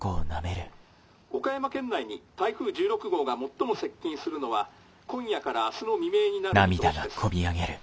岡山県内に台風１６号が最も接近するのは今夜から明日の未明になる見通しです」。